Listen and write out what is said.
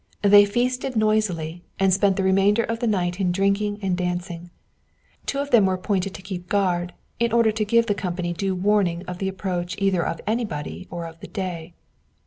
They feasted noisily, and spent the remainder of the night in drinking and dancing. Two of them were appointed to keep guard, in order to give the company due warning of the approach either of anybody or of the day.